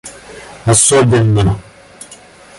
особенно